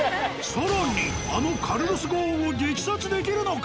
更にあのカルロス・ゴーンを激撮できるのか！？